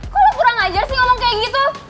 kok lo kurang ajar sih ngomong kayak gitu